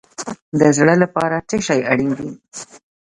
د زړه لپاره څه شی اړین دی؟